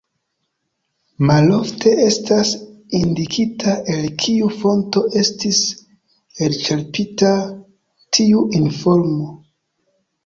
Malofte estas indikita el kiu fonto estis elĉerpita tiu informo.